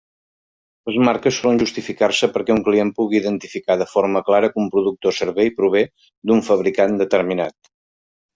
Les marques solen justificar-se perquè un client pugui identificar, de forma clara, que un producte o servei prové d'un fabricant determinat.